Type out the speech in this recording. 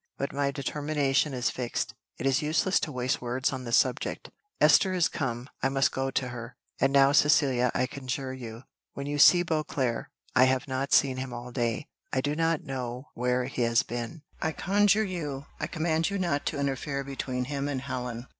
But my determination is fixed; it is useless to waste words on the subject. Esther is come; I must go to her. And now, Cecilia, I conjure you, when you see Beauclerc I have not seen him all day I do not know where he has been I conjure you I command you not to interfere between him and Helen."